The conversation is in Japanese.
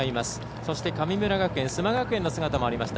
そして、神村学園須磨学園の姿もありました。